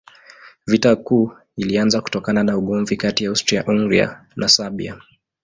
Vita Kuu ilianza kutokana na ugomvi kati ya Austria-Hungaria na Serbia.